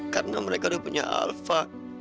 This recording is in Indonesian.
karena mereka udah punya alva